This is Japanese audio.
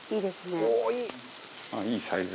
いいサイズ。